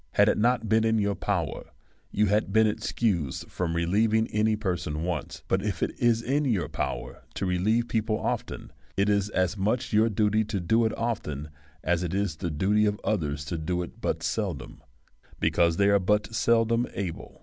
Had it not been in your power you had been excused from relieving any person once ; but if it is in your power to relieve people often, it is as much your duty to do it often, as it is the duty of others to do it but seldom, because they are but seldom able.